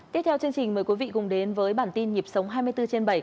tiếp theo chương trình mời quý vị cùng đến với bản tin nhịp sống hai mươi bốn trên bảy